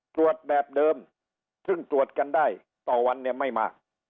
ตรวจแบบเดิมซึ่งตรวจกันได้ต่อวันเนี่ยไม่มาก